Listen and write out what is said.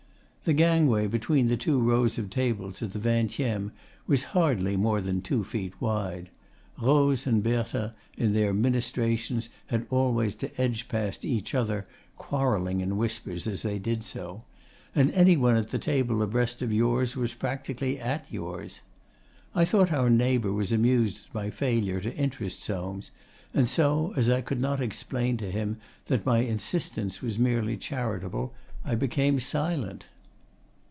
The gangway between the two rows of tables at the Vingtieme was hardly more than two feet wide (Rose and Berthe, in their ministrations, had always to edge past each other, quarrelling in whispers as they did so), and any one at the table abreast of yours was practically at yours. I thought our neighbour was amused at my failure to interest Soames, and so, as I could not explain to him that my insistence was merely charitable, I became silent.